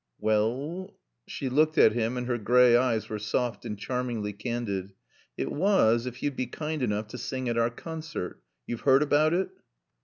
"Well" she looked at him and her gray eyes were soft and charmingly candid "it was if you'd be kind enough to sing at our concert. You've heard about it?"